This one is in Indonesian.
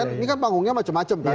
kan ini kan panggungnya macam macam kan